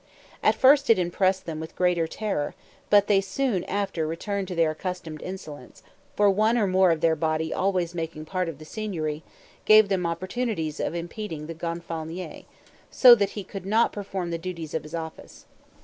At first it impressed them with greater terror, but they soon after returned to their accustomed insolence, for one or more of their body always making part of the Signory, gave them opportunities of impeding the Gonfalonier, so that he could not perform the duties of his office.